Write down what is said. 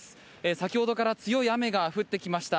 先ほどから強い雨が降ってきました。